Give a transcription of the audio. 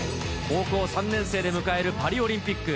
高校３年生で迎えるパリオリンピック。